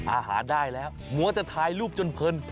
อาหารได้แล้วมัวแต่ถ่ายรูปจนเพลิน